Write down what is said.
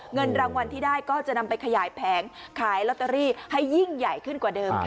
เงินรางวัลที่ได้ก็จะนำไปขยายแผงขายลอตเตอรี่ให้ยิ่งใหญ่ขึ้นกว่าเดิม